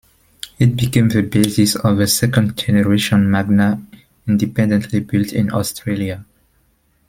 It became the basis of the second generation Magna independently built in Australia.